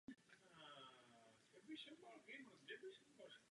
Je to konec konců otázka demokracie, účasti a transparentnosti.